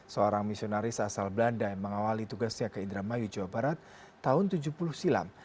seorang misionaris asal belanda yang mengawali tugasnya ke indramayu jawa barat tahun tujuh puluh silam